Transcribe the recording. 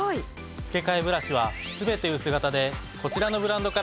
付替ブラシはすべて薄型でこちらのブランドから選べます。